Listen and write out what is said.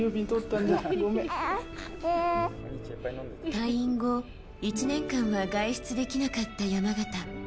退院後１年間は外出できなかった山縣。